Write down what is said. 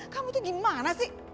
kamu tuh gimana sih